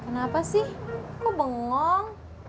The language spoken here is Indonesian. kenapa sih kok bengong